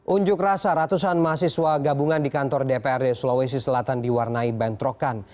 unjuk rasa ratusan mahasiswa gabungan di kantor dprd sulawesi selatan diwarnai bentrokan